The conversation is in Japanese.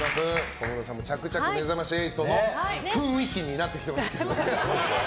小室さんも着々と「めざまし８」の雰囲気になってきてますけど。